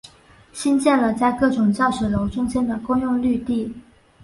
兴建了在各种教学楼中间的公用绿地。